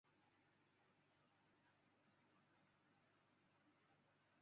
彼得一世奉行伊什特万一世的积极外交政策。